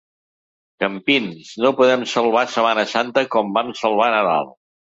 Campins: “No podem salvar Setmana Santa com vam salvar Nadal”